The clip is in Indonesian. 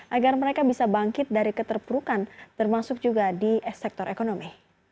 agar mereka bisa bangkit dari keterpurukan termasuk juga di sektor ekonomi